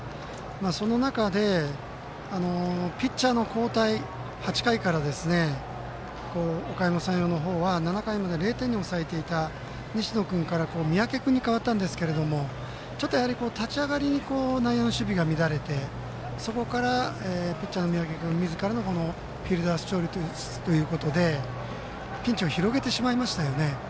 その中で、ピッチャーの交代８回からですねおかやま山陽の方は７回まで０点に抑えていた西野君から三宅君に代わったんですがちょっと立ち上がりで内野守備が乱れて、そこからピッチャーの三宅君みずからのフィルダースチョイスということでピンチを広げてしまいましたよね。